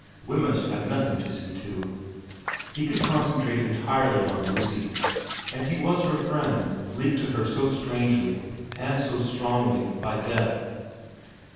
Wemyss had nothing to see to. He could concentrate entirely on Lucy. And he was her friend, linked to her so strangely and so strongly by death.